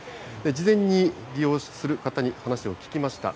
事前に利用する方に話を聞きました。